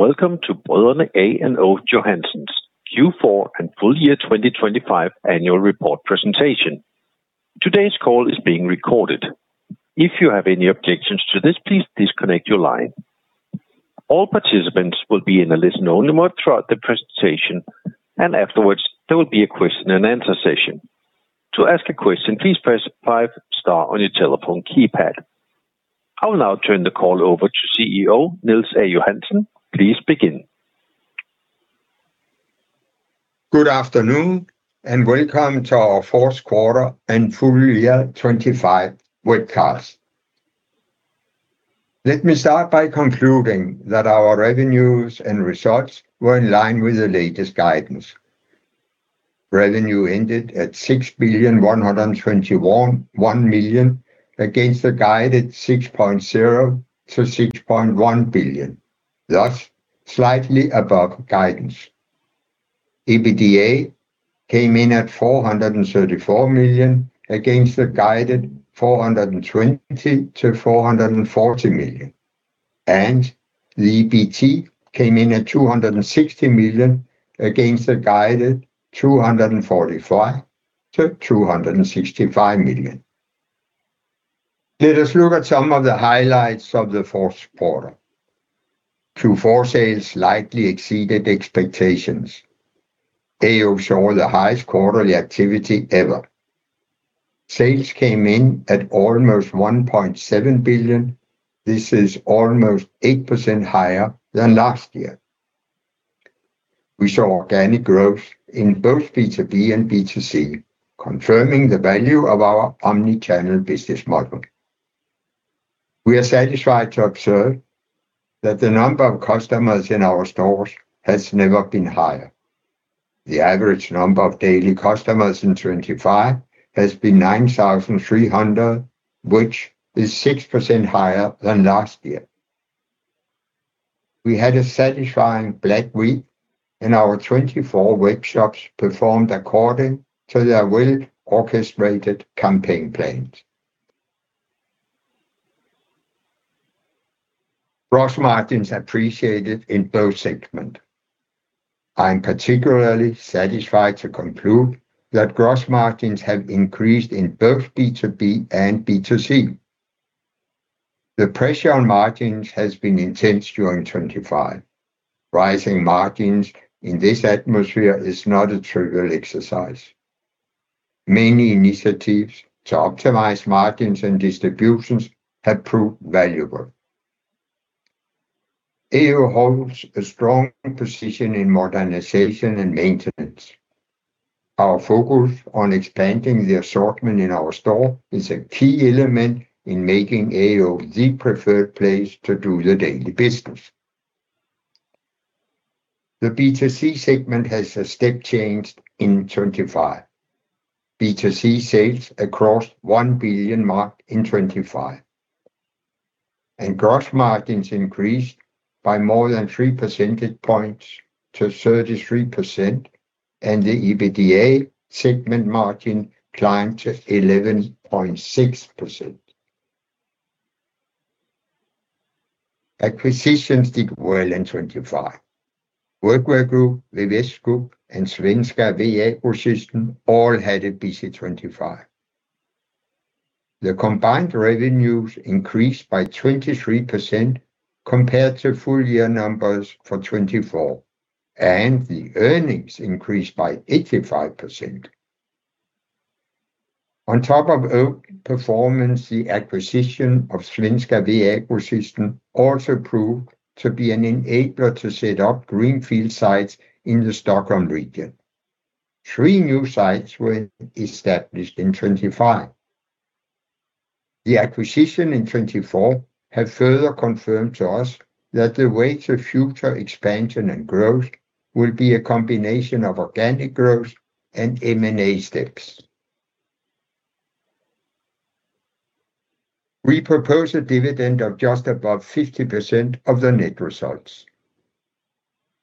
Welcome to Brødrene A & O Johansen's Q4 and full year 2025 annual report presentation. Today's call is being recorded. If you have any objections to this, please disconnect your line. All participants will be in a listen-only mode throughout the presentation. Afterwards, there will be a question and answer session. To ask a question, please press five star on your telephone keypad. I will now turn the call over to CEO, Niels A. Johansen. Please begin. Good afternoon, welcome to our fourth quarter and full year 2025 webcast. Let me start by concluding that our revenues and results were in line with the latest guidance. Revenue ended at 6.121 billion, against the guided 6.0 billion-6.1 billion, thus, slightly above guidance. EBITDA came in at 434 million, against the guided 420 million-440 million, and the EBT came in at 260 million, against the guided 245 million-265 million. Let us look at some of the highlights of the fourth quarter. Q4 sales slightly exceeded expectations. AO showed the highest quarterly activity ever. Sales came in at almost 1.7 billion. This is almost 8% higher than last year. We saw organic growth in both B2B and B2C, confirming the value of our omni-channel business model. We are satisfied to observe that the number of customers in our stores has never been higher. The average number of daily customers in 25 has been 9,300, which is 6% higher than last year. We had a satisfying Black Week, and our 24 workshops performed according to their well-orchestrated campaign plans. Gross margins appreciated in both segments. I am particularly satisfied to conclude that gross margins have increased in both B2B and B2C. The pressure on margins has been intense during 25. Rising margins in this atmosphere is not a trivial exercise. Many initiatives to optimize margins and distributions have proved valuable. AO holds a strong position in modernization and maintenance. Our focus on expanding the assortment in our store is a key element in making AO the preferred place to do the daily business. The B2C segment has a step change in 25. B2C sales across 1 billion mark in 25, gross margins increased by more than 3 percentage points to 33%, and the EBITDA segment margin climbed to 11.6%. Acquisitions did well in 25. Workwear Group, VVS Group, and Svenska VA-Grossisten all had a busy 25. The combined revenues increased by 23% compared to full year numbers for 2024, earnings increased by 85%. On top of AO's performance, the acquisition of Svenska VA-Grossisten also proved to be an enabler to set up greenfield sites in the Stockholm region. Three new sites were established in 25. The acquisition in 2024 have further confirmed to us that the way to future expansion and growth will be a combination of organic growth and M&A steps. We propose a dividend of just above 50% of the net results.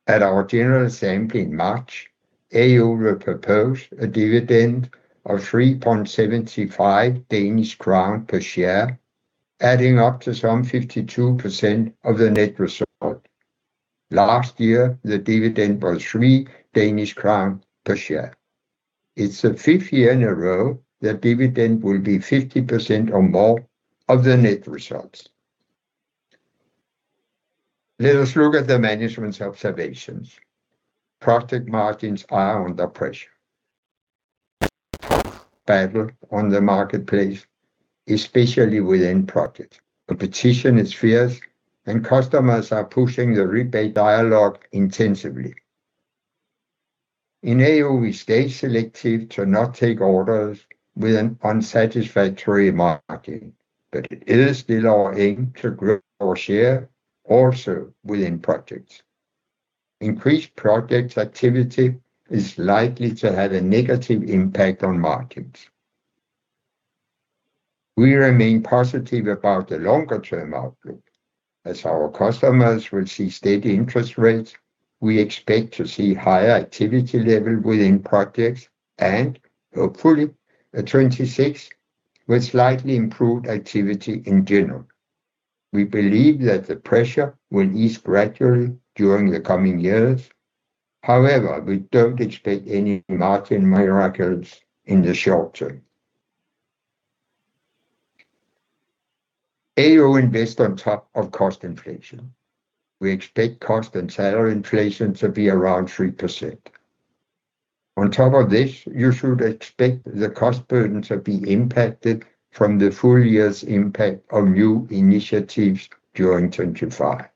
At our general assembly in March, AO will propose a dividend of 3.75 Danish crown per share, adding up to some 52% of the net result. Last year, the dividend was 3 Danish crown per share. It's the 5th year in a row that dividend will be 50% or more of the net results. Let us look at the management's observations. Project margins are under pressure. Battle on the marketplace, especially within project. Competition is fierce, and customers are pushing the rebate dialogue intensively. In AO, we stay selective to not take orders with an unsatisfactory margin, but it is still our aim to grow our share also within projects. Increased project activity is likely to have a negative impact on margins. We remain positive about the longer-term outlook. As our customers will see steady interest rates, we expect to see higher activity level within projects and hopefully at 2026, with slightly improved activity in general. We believe that the pressure will ease gradually during the coming years. We don't expect any margin miracles in the short term. AO invest on top of cost inflation. We expect cost and salary inflation to be around 3%. On top of this, you should expect the cost burden to be impacted from the full year's impact of new initiatives during 2025.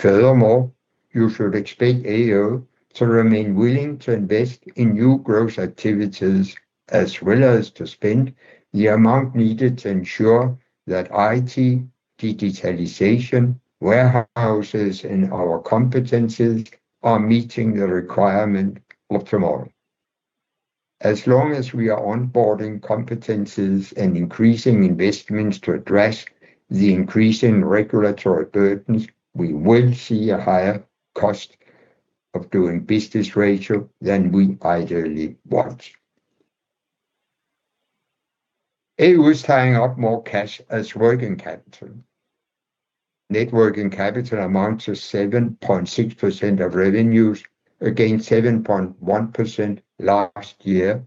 Furthermore, you should expect AO to remain willing to invest in new growth activities, as well as to spend the amount needed to ensure that IT, digitalization, warehouses, and our competencies are meeting the requirement of tomorrow. As long as we are onboarding competencies and increasing investments to address the increasing regulatory burdens, we will see a higher cost of doing business ratio than we ideally want. AO is tying up more cash as working capital. Net working capital amounts to 7.6% of revenues, against 7.1% last year,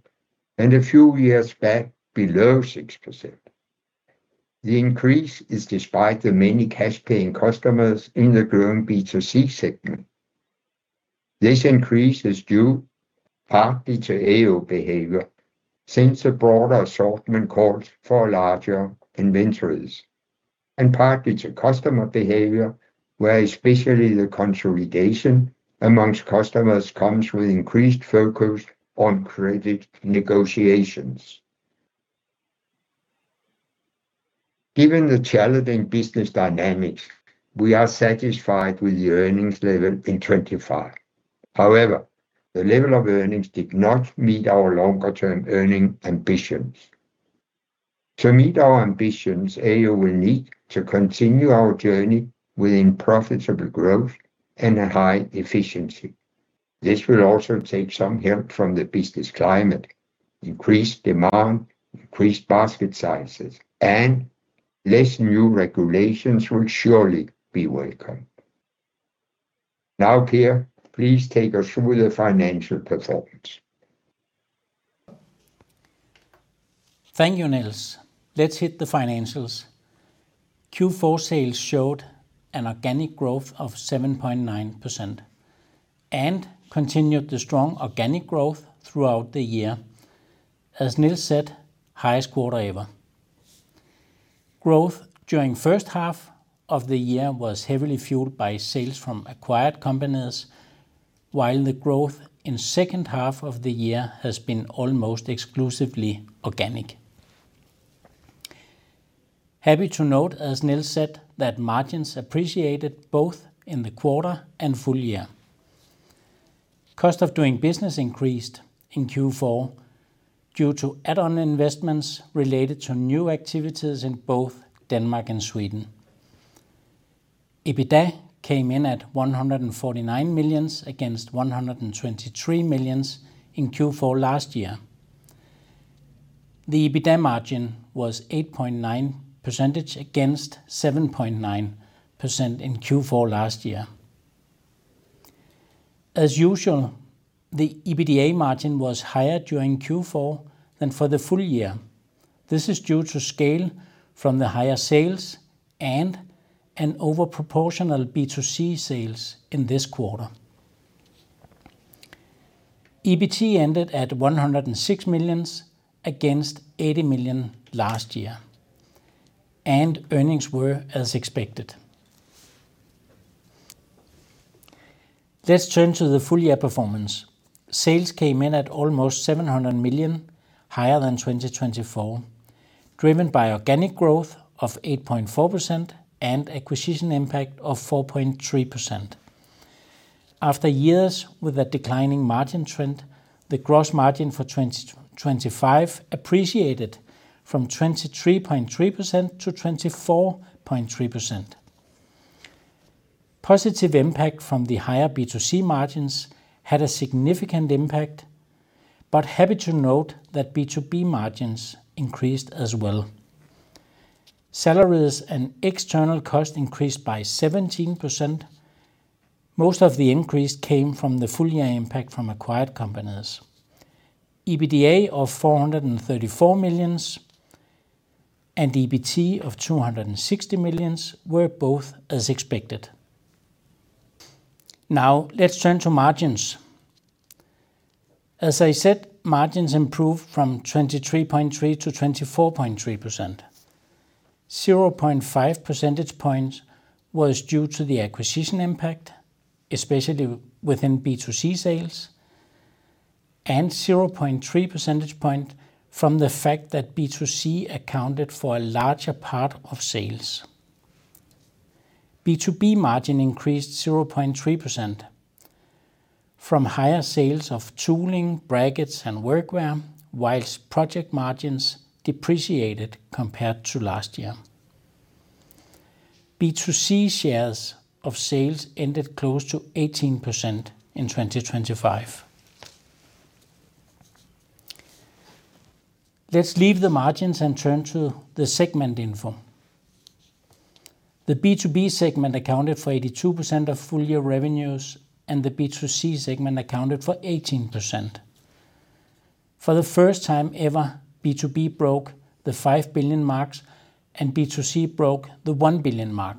and a few years back, below 6%. The increase is despite the many cash-paying customers in the growing B2C segment. This increase is due partly to AO behavior, since a broader assortment calls for larger inventories, and partly to customer behavior, where especially the consolidation amongst customers comes with increased focus on credit negotiations. Given the challenging business dynamics, we are satisfied with the earnings level in 2025. However, the level of earnings did not meet our longer-term earning ambitions. To meet our ambitions, AO will need to continue our journey within profitable growth and a high efficiency. This will also take some help from the business climate, increased demand, increased basket sizes, and less new regulations will surely be welcome. Per, please take us through the financial performance. Thank you, Niels. Let's hit the financials. Q4 sales showed an organic growth of 7.9% and continued the strong organic growth throughout the year. As Niels said, highest quarter ever. Growth during first half of the year was heavily fueled by sales from acquired companies, while the growth in second half of the year has been almost exclusively organic. Happy to note, as Niels said, that margins appreciated both in the quarter and full year. Cost of doing business increased in Q4 due to add-on investments related to new activities in both Denmark and Sweden. EBITDA came in at 149 million, against 123 million in Q4 last year. The EBITDA margin was 8.9%, against 7.9% in Q4 last year. As usual, the EBITDA margin was higher during Q4 than for the full year. This is due to scale from the higher sales and an overproportional B2C sales in this quarter. EBT ended at 106 million, against 80 million last year, and earnings were as expected. Let's turn to the full year performance. Sales came in at almost 700 million, higher than 2024, driven by organic growth of 8.4% and acquisition impact of 4.3%. After years with a declining margin trend, the gross margin for 2025 appreciated from 23.3%-24.3%. Positive impact from the higher B2C margins had a significant impact, but happy to note that B2B margins increased as well. Salaries and external cost increased by 17%. Most of the increase came from the full year impact from acquired companies. EBITDA of 434 million and EBT of 260 million were both as expected. Let's turn to margins. As I said, margins improved from 23.3% to 24.3%. 0.5 percentage points was due to the acquisition impact, especially within B2C sales, and 0.3 percentage point from the fact that B2C accounted for a larger part of sales. B2B margin increased 0.3% from higher sales of tooling, brackets, and workwear, whilst project margins depreciated compared to last year. B2C shares of sales ended close to 18% in 2025. Let's leave the margins and turn to the segment info. The B2B segment accounted for 82% of full year revenues, and the B2C segment accounted for 18%. For the first time ever, B2B broke the 5 billion mark. B2C broke the 1 billion mark.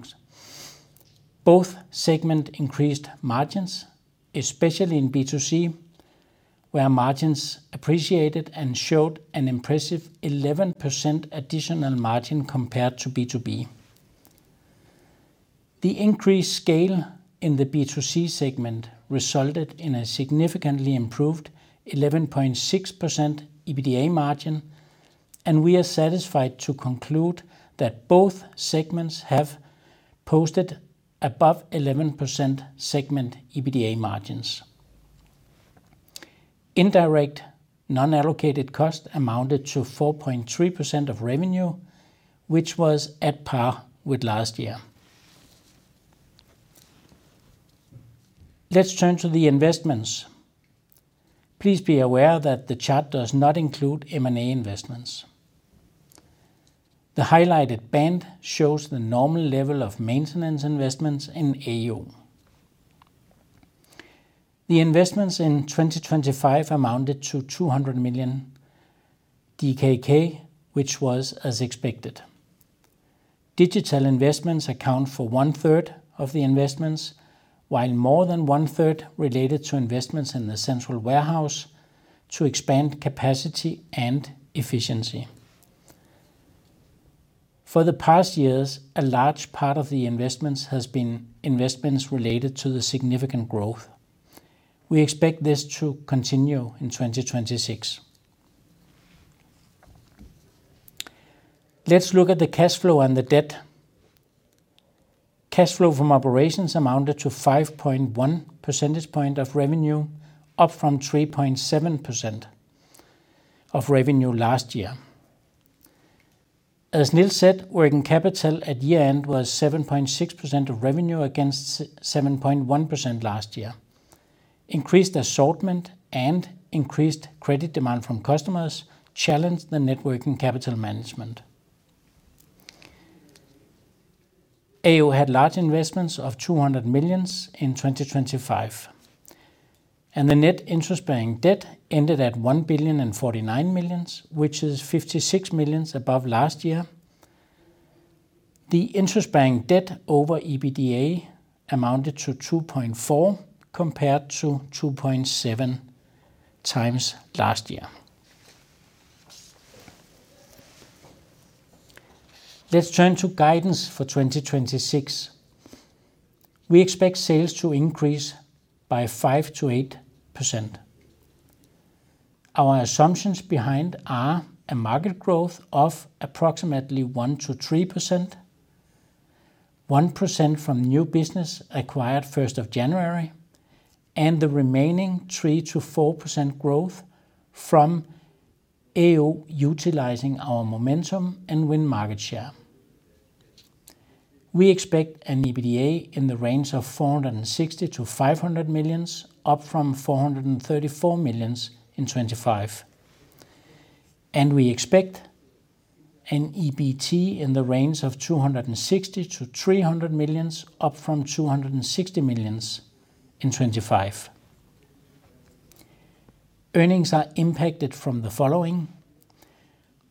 Both segments increased margins, especially in B2C, where margins appreciated and showed an impressive 11% additional margin compared to B2B. The increased scale in the B2C segment resulted in a significantly improved 11.6% EBITDA margin. We are satisfied to conclude that both segments have posted above 11% segment EBITDA margins. Indirect non-allocated cost amounted to 4.3% of revenue, which was at par with last year. Let's turn to the investments. Please be aware that the chart does not include M&A investments. The highlighted band shows the normal level of maintenance investments in AO. The investments in 2025 amounted to 200 million DKK, which was as expected. Digital investments account for one third of the investments, while more than one third related to investments in the central warehouse to expand capacity and efficiency. For the past years, a large part of the investments has been investments related to the significant growth. We expect this to continue in 2026. Let's look at the cash flow and the debt. Cash flow from operations amounted to 5.1 percentage point of revenue, up from 3.7% of revenue last year. As Niels said, working capital at year-end was 7.6% of revenue against 7.1% last year. Increased assortment and increased credit demand from customers challenged the net working capital management. AO had large investments of 200 million in 2025, and the net interest-bearing debt ended at 1.049 billion, which is 56 million above last year. The interest-bearing debt over EBITDA amounted to 2.4x, compared to 2.7x last year. Let's turn to guidance for 2026. We expect sales to increase by 5%-8%. Our assumptions behind are a market growth of approximately 1%-3%, 1% from new business acquired first of January, and the remaining 3%-4% growth from AO utilizing our momentum and win market share. We expect an EBITDA in the range of 460 million-500 million, up from 434 million in 2025. We expect an EBT in the range of 260 million-300 million, up from 260 million in 2025. Earnings are impacted from the following: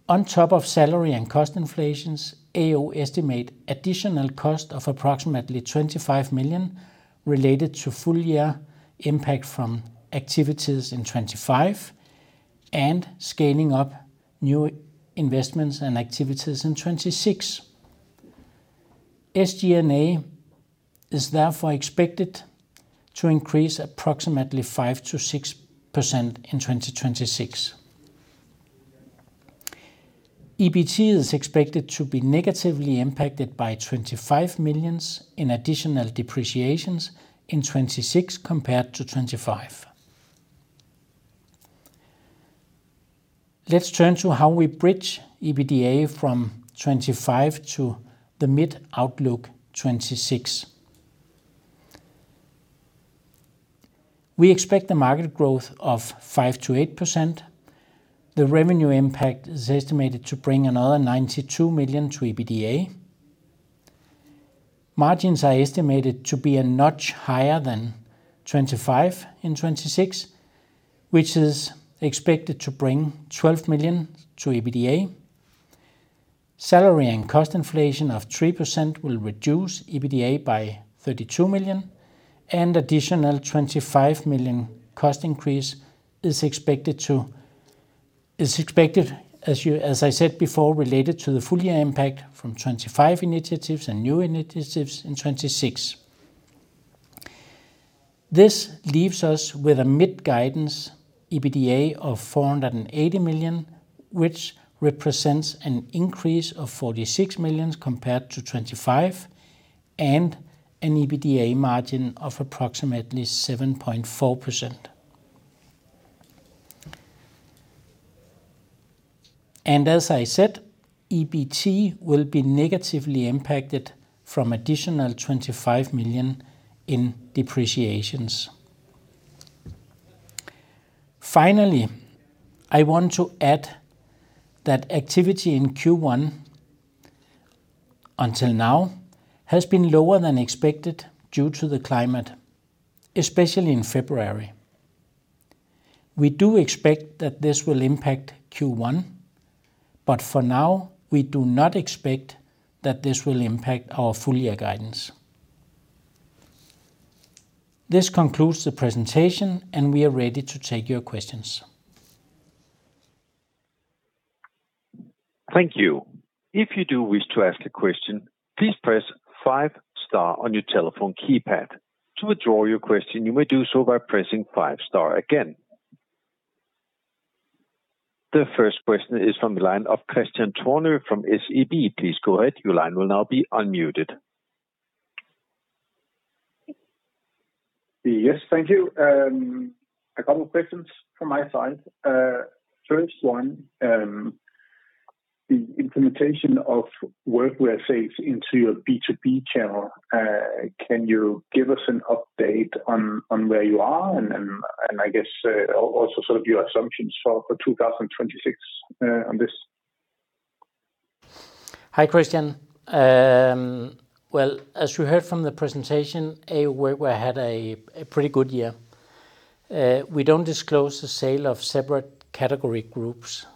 On top of salary and cost inflations, AO estimate additional cost of approximately 25 million related to full year impact from activities in 2025 and scaling up new investments and activities in 2026. SG&A is therefore expected to increase approximately 5%-6% in 2026. EBT is expected to be negatively impacted by 25 million in additional depreciations in 2026 compared to 2025. Let's turn to how we bridge EBITDA from 2025 to the mid outlook, 2026. We expect the market growth of 5%-8%. The revenue impact is estimated to bring another 92 million to EBITDA. Margins are estimated to be a notch higher than 2025 in 2026, which is expected to bring 12 million to EBITDA. Salary and cost inflation of 3% will reduce EBITDA by 32 million. Additional 25 million cost increase is expected to – Is expected related to the full year impact from 2025 initiatives and new initiatives in 2026. This leaves us with a mid-guidance EBITDA of 480 million, which represents an increase of 46 million compared to 2025, and an EBITDA margin of approximately 7.4%. As I said, EBT will be negatively impacted from additional 25 million in depreciations. Finally, I want to add that activity in Q1 until now has been lower than expected due to the climate, especially in February. We do expect that this will impact Q1, but for now, we do not expect that this will impact our full year guidance. This concludes the presentation, and we are ready to take your questions. Thank you. If you do wish to ask a question, please press five star on your telephone keypad. To withdraw your question, you may do so by pressing five star again. The first question is from the line of Christian Tørner from SEB. Please go ahead. Your line will now be unmuted. Yes, thank you. A couple of questions from my side. First one, the implementation of workwear sales into your B2B channel, can you give us an update on where you are and I guess also sort of your assumptions for 2026 on this? Hi, Christian. Well, as you heard from the presentation, AO Workwear had a pretty good year. We don't disclose the sale of separate category groups,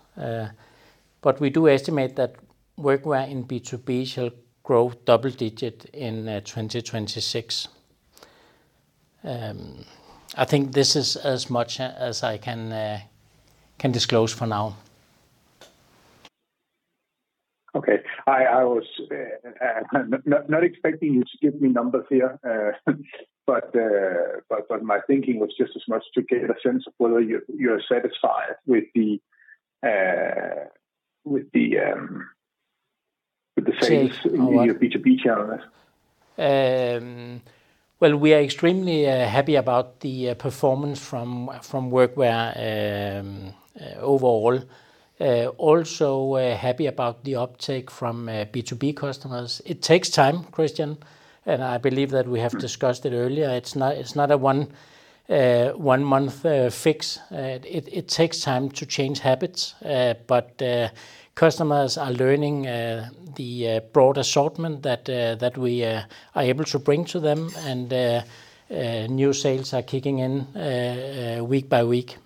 but we do estimate that workwear in B2B shall grow double digit in 2026. I think this is as much as I can disclose for now. Okay. I was not expecting you to give me numbers here, but my thinking was just as much to get a sense of whether you're satisfied with the sales- Sales. In your B2B channel. Well, we are extremely happy about the performance from Workwear overall. Also we're happy about the uptake from B2B customers. It takes time, Christian, and I believe that we have discussed it earlier. It's not, it's not a one-month fix. It takes time to change habits. Customers are learning the broad assortment that we are able to bring to them, and new sales are kicking in week by week.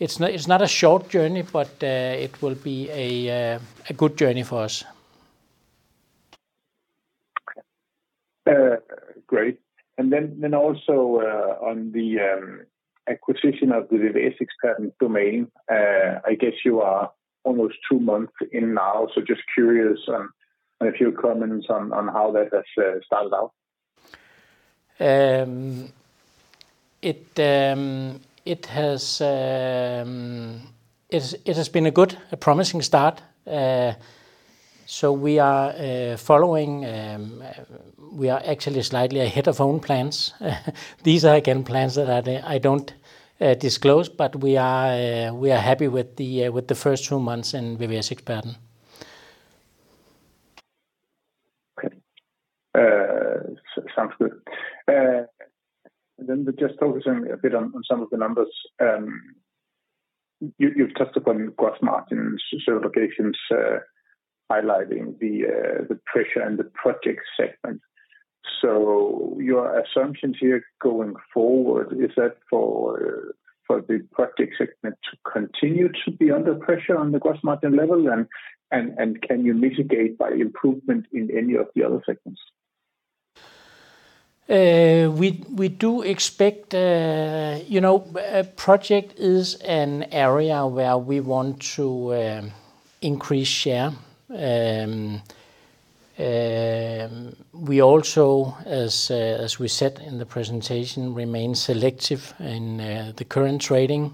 It's not, it's not a short journey, but it will be a good journey for us. Great. Also, on the acquisition of the VVS-eksperten.dk domain, I guess you are almost two months in now, so just curious on a few comments on how that has started out. It has been a good, a promising start. We are following. We are actually slightly ahead of own plans. These are, again, plans that I don't disclose. We are happy with the first two months in VVS-eksperten.dk. Okay. Sounds good. Then just focusing a bit on some of the numbers. You've touched upon gross margins certifications, highlighting the pressure and the project segment. Your assumptions here going forward, is that for the project segment to continue to be under pressure on the gross margin level, and can you mitigate by improvement in any of the other segments? We do expect. You know, project is an area where we want to increase share. We also, as we said in the presentation, remain selective in the current trading.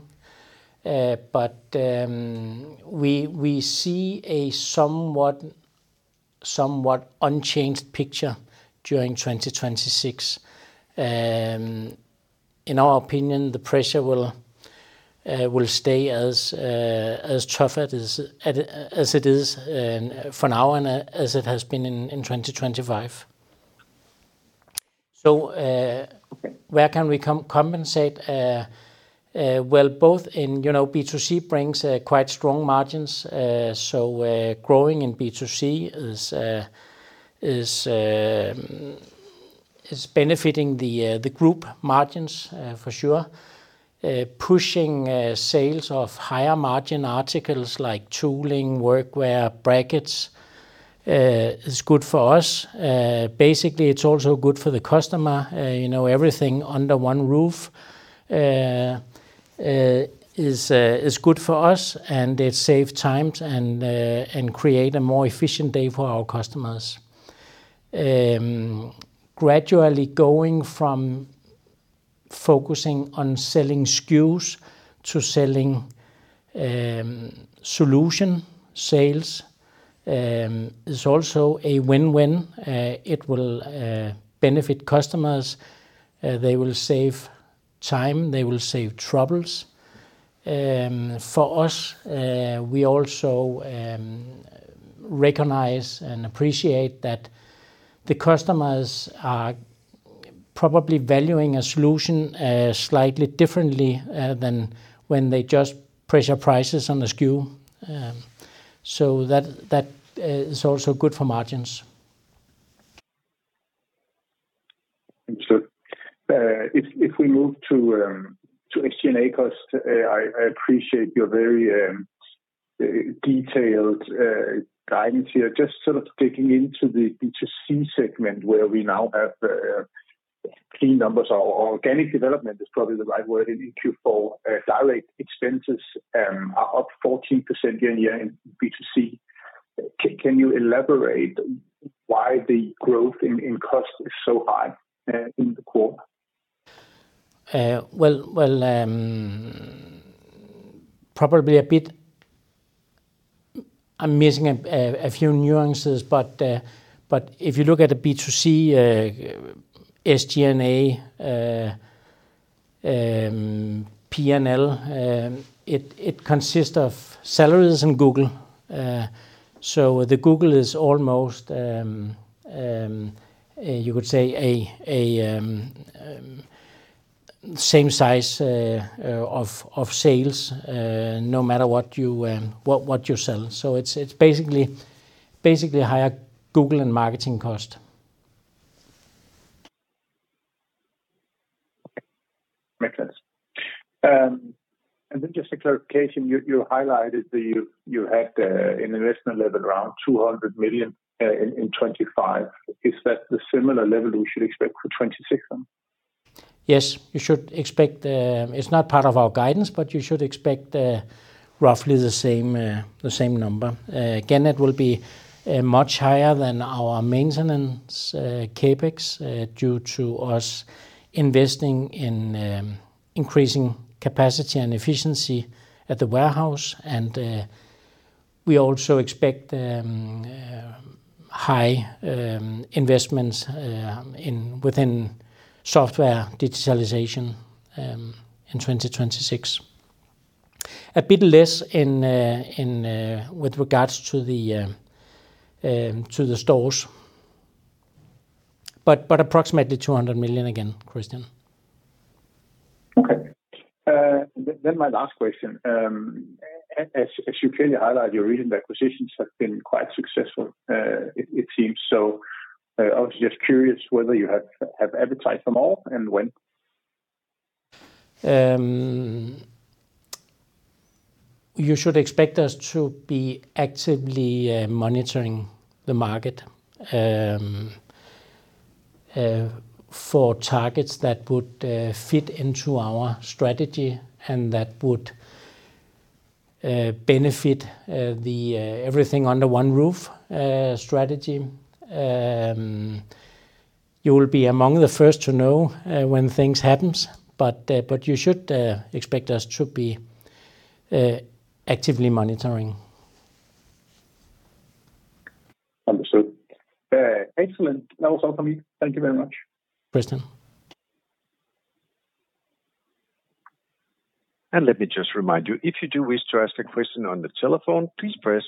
We see a somewhat unchanged picture during 2026. In our opinion, the pressure will stay as tough as it is for now, and as it has been in 2025. Where can we compensate? Well, both in, you know, B2C brings quite strong margins. Growing in B2C is benefiting the group margins for sure. Pushing sales of higher margin articles like tooling, workwear, brackets is good for us. Basically, it's also good for the customer. You know, everything under one roof is good for us, and it save times and create a more efficient day for our customers. Gradually going from focusing on selling SKUs to selling solution sales. It's also a win-win. It will benefit customers. They will save time, they will save troubles. For us, we also recognize and appreciate that the customers are probably valuing a solution, slightly differently, than when they just pressure prices on the SKU. That, that, is also good for margins. If we move to SG&A cost, I appreciate your very detailed guidance here. Just sort of digging into the B2C segment, where we now have clean numbers or organic development is probably the right word. In Q4, direct expenses are up 14% year-on-year in B2C. Can you elaborate why the growth in cost is so high in the core? Well, probably a bit. I'm missing a few nuances. If you look at the B2C, SG&A, P&L, it consists of salaries and Google. The Google is almost, you could say a same size of sales, no matter what you sell. It's basically higher Google and marketing cost. Okay. Makes sense. Just a clarification, you highlighted that you had an investment level around 200 million in 2025. Is that the similar level we should expect for 2026 then? Yes. You should expect. It's not part of our guidance, but you should expect roughly the same the same number. Again, it will be much higher than our maintenance CapEx due to us investing in increasing capacity and efficiency at the warehouse. We also expect high investments within software digitalization in 2026. A bit less in with regards to the stores. Approximately 200 million again, Christian. Okay. My last question. As you clearly highlight, your recent acquisitions have been quite successful, it seems so. I was just curious whether you have advertised them all, and when? You should expect us to be actively monitoring the market for targets that would fit into our strategy and that would benefit the everything under one roof strategy. You will be among the first to know when things happens, but you should expect us to be actively monitoring. Understood. Excellent. That was all for me. Thank you very much. Christian. Let me just remind you, if you do wish to ask a question on the telephone, please press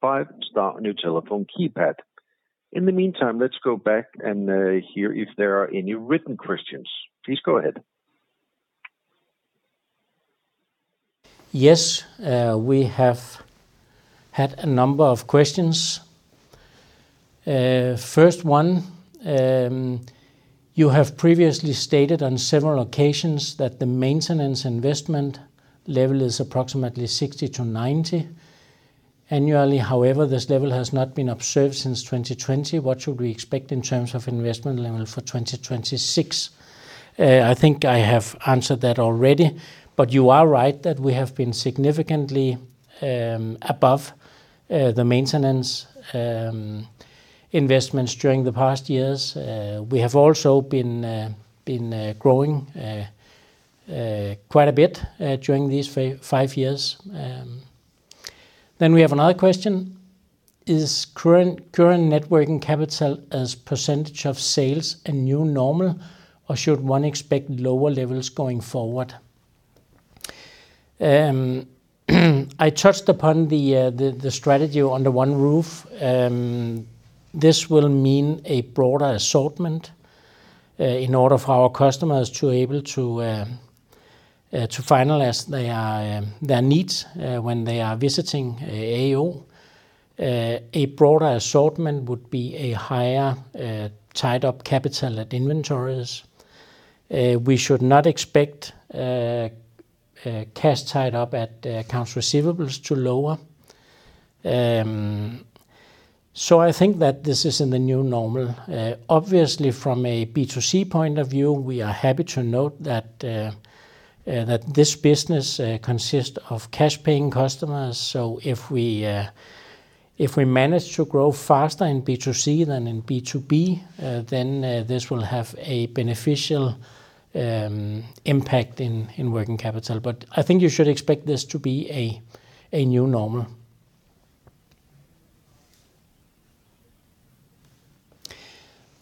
five star on your telephone keypad. In the meantime, let's go back and hear if there are any written questions. Please go ahead. Yes, we have had a number of questions. First one: You have previously stated on several occasions that the maintenance investment level is approximately 60-90 annually. However, this level has not been observed since 2020. What should we expect in terms of investment level for 2026? I think I have answered that already. You are right that we have been significantly above the maintenance investments during the past years. We have also been growing quite a bit during these five years. We have another question: Is current net working capital as percent of sales a new normal, or should one expect lower levels going forward? I touched upon the strategy under one roof. This will mean a broader assortment, in order for our customers to able to finalize their needs, when they are visiting AO. A broader assortment would be a higher tied-up capital at inventories. We should not expect cash tied up at accounts receivables to lower. I think that this is in the new normal. Obviously, from a B2C point of view, we are happy to note that this business consists of cash-paying customers. If we manage to grow faster in B2C than in B2B, then this will have a beneficial impact in working capital. I think you should expect this to be a new normal.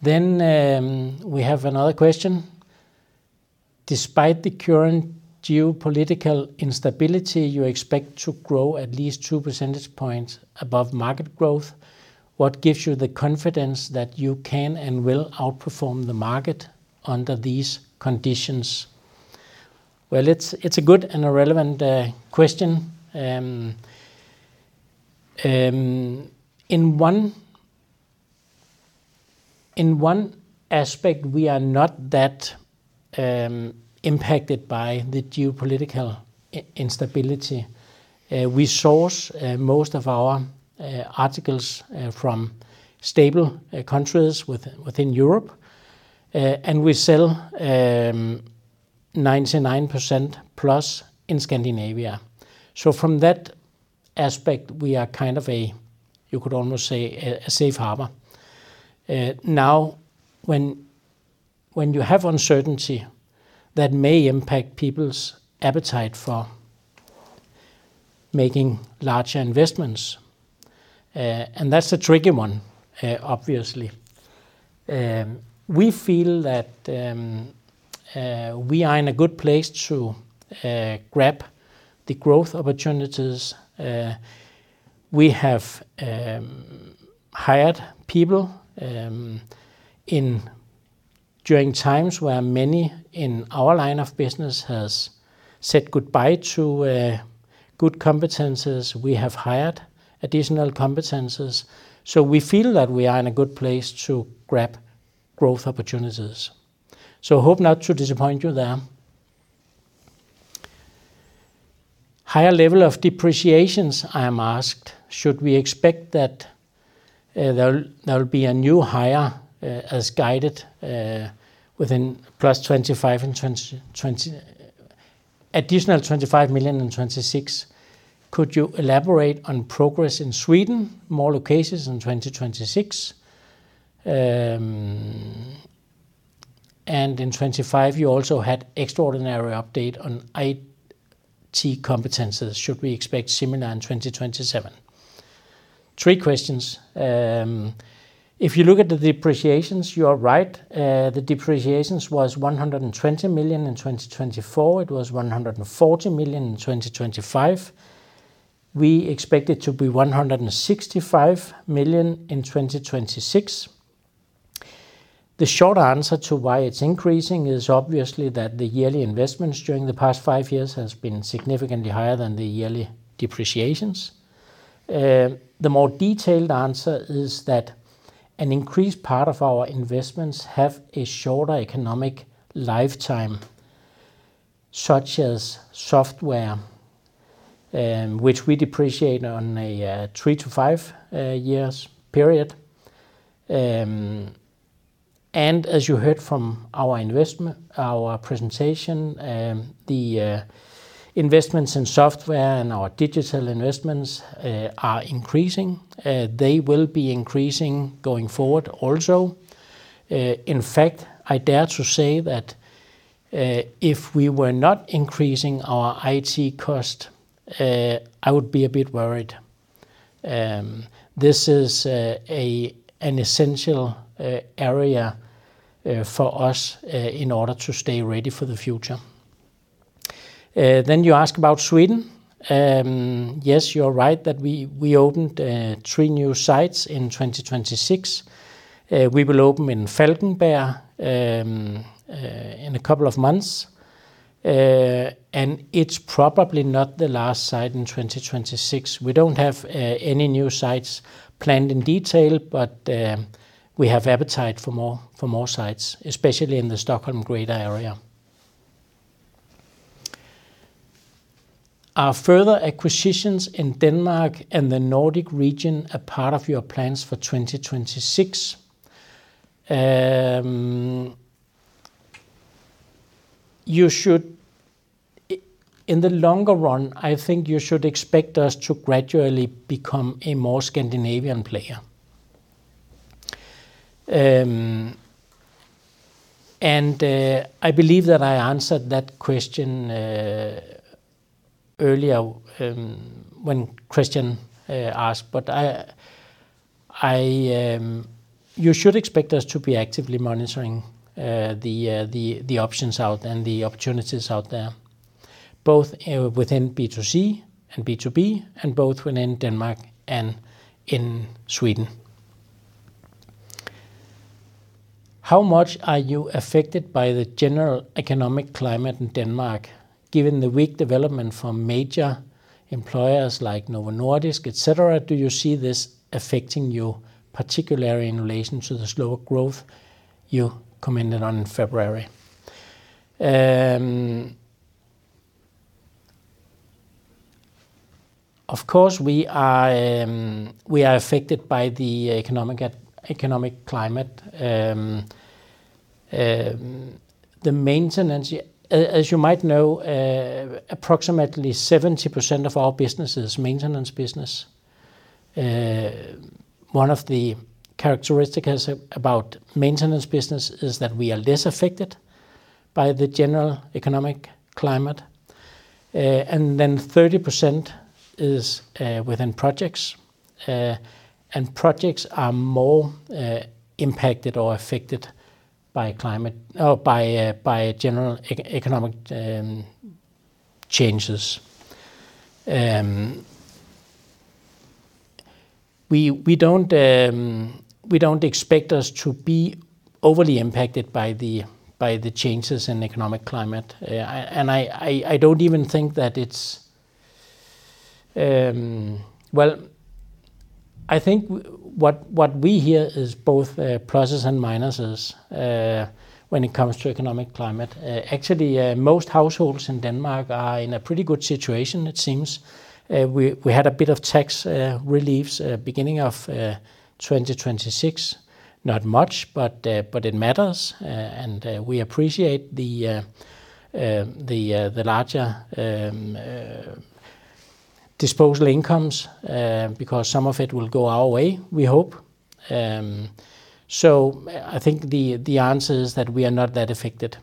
We have another question. Despite the current geopolitical instability, you expect to grow at least 2 percentage points above market growth. What gives you the confidence that you can and will outperform the market under these conditions? Well, it's a good and a relevant question. In one aspect, we are not that impacted by the geopolitical instability. We source most of our articles from stable countries within Europe, and we sell 99%+ in Scandinavia. From that aspect, we are kind of a, you could almost say, a safe harbor. Now, when you have uncertainty, that may impact people's appetite for making larger investments, and that's a tricky one, obviously. We feel that we are in a good place to grab the growth opportunities. We have hired people during times where many in our line of business has said goodbye to good competencies. We have hired additional competencies, we feel that we are in a good place to grab growth opportunities. Hope not to disappoint you there. Higher level of depreciations, I am asked. Should we expect that there will be a new hire as guided within +25 and additional 25 million in 2026? Could you elaborate on progress in Sweden? More locations in 2026. In 2025, you also had extraordinary update on IT competencies. Should we expect similar in 2027? Three questions. If you look at the depreciations, you are right. The depreciations was 120 million in 2024. It was 140 million in 2025. We expect it to be 165 million in 2026. The short answer to why it's increasing is obviously that the yearly investments during the past five years has been significantly higher than the yearly depreciations. The more detailed answer is that an increased part of our investments have a shorter economic lifetime, such as software, which we depreciate on a 3-5 years period. As you heard from our investment, our presentation, the investments in software and our digital investments are increasing. They will be increasing going forward also. In fact, I dare to say that if we were not increasing our IT cost, I would be a bit worried. This is an essential area for us in order to stay ready for the future. You ask about Sweden. Yes, you're right that we opened three new sites in 2026. We will open in Falkenberg in a couple of months. It's probably not the last site in 2026. We don't have any new sites planned in detail, but we have appetite for more sites, especially in the Stockholm greater area. Are further acquisitions in Denmark and the Nordic region a part of your plans for 2026? You should in the longer run, I think you should expect us to gradually become a more Scandinavian player. I believe that I answered that question earlier when Christian asked, you should expect us to be actively monitoring the options out and the opportunities out there, both within B2C and B2B, and both within Denmark and in Sweden. How much are you affected by the general economic climate in Denmark, given the weak development from major employers like Novo Nordisk, etc.? Do you see this affecting you, particularly in relation to the slower growth you commented on in February? Of course, we are affected by the economic climate. The maintenance, as you might know, approximately 70% of our business is maintenance business. One of the characteristics about maintenance business is that we are less affected by the general economic climate. Then 30% is within projects. Projects are more impacted or affected by climate or by general economic changes. We don't expect us to be overly impacted by the changes in economic climate. I don't even think that it's, well, I think what we hear is both pluses and minuses when it comes to economic climate. Actually, most households in Denmark are in a pretty good situation, it seems. We had a bit of tax reliefs at beginning of 2026. Not much, but it matters. We appreciate the larger disposal incomes because some of it will go our way, we hope. I think the answer is that we are not that affected.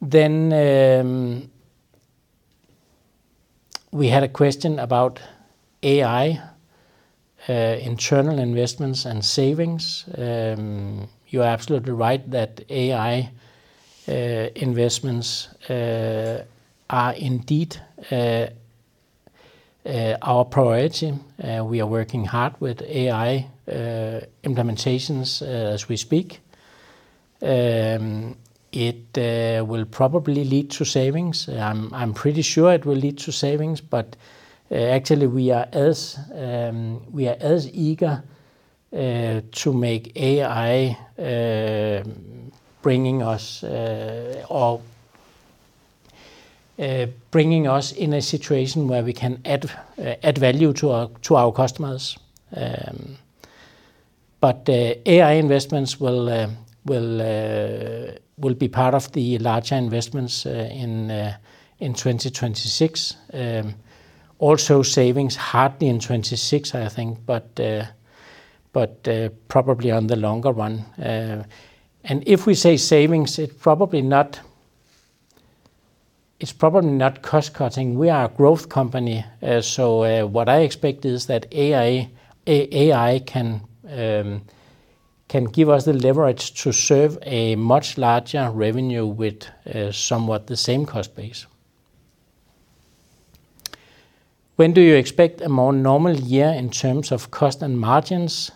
We had a question about AI, internal investments and savings. You are absolutely right that AI investments are indeed our priority. We are working hard with AI implementations as we speak. It will probably lead to savings. I'm pretty sure it will lead to savings, actually, we are as eager to make AI bringing us or bringing us in a situation where we can add value to our customers. AI investments will be part of the larger investments in 2026. Also savings hardly in 2026, I think. Probably on the longer run. If we say savings, It's probably not cost cutting. We are a growth company. What I expect is that AI can give us the leverage to serve a much larger revenue with, somewhat the same cost base. When do you expect a more normal year in terms of cost and margins,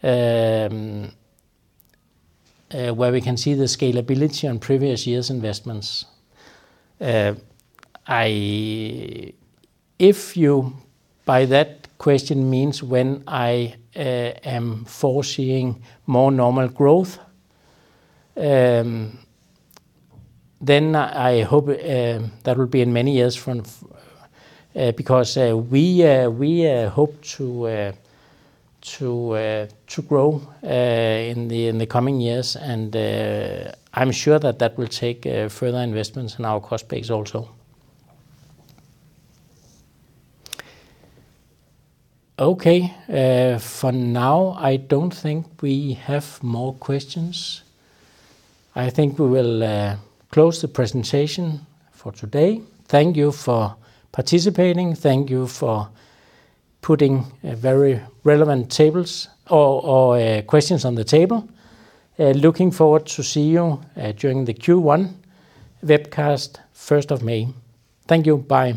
where we can see the scalability on previous years' investments? If you, by that question, means when I am foreseeing more normal growth, then I hope that will be in many years. We hope to grow in the coming years. I'm sure that that will take further investments in our cost base also. Okay. For now, I don't think we have more questions. I think we will close the presentation for today. Thank you for participating. Thank you for putting a very relevant tables or questions on the table. Looking forward to see you during the Q1 webcast, first of May. Thank you. Bye.